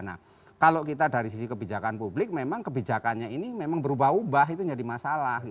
nah kalau kita dari sisi kebijakan publik memang kebijakannya ini memang berubah ubah itu jadi masalah